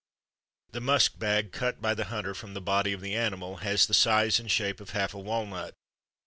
The musk bag cut by the hunter from the body of the animal has the size and shape of half a walnut.